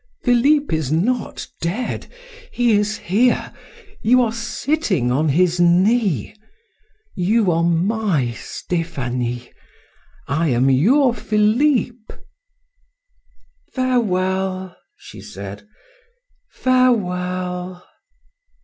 Philip is not dead. He is here. You are sitting on his knee. You are my Stephanie, I am your Philip." "Farewell!" she said, "farewell!"